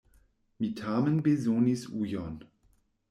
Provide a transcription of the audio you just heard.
Mi tamen bezonis ujon.